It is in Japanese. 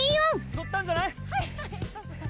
乗ったんじゃない？